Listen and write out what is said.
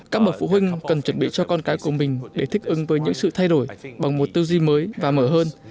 các bậc phụ huynh cần chuẩn bị cho con cái của mình để thích ứng với những sự thay đổi bằng một tư duy mới và mở hơn